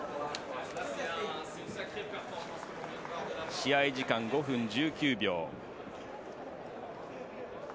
試合時間５分１９秒。